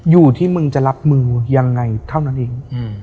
อยู่ที่มึงจะรับมือยังไงเท่านั้นเอง